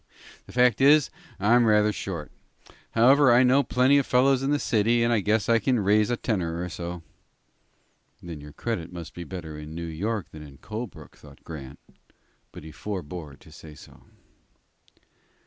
The fact is, I'm rather short. However, I know plenty of fellows in the city, and I guess I can raise a tenner or so." "Then your credit must be better in New York than in Colebrook," thought Grant, but he fore bore to say so.